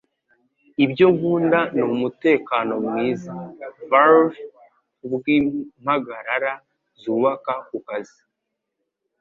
Ibyo nkunda ni umutekano mwiza-valve kubwimpagarara zubaka kukazi